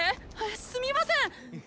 ⁉すみませんっ。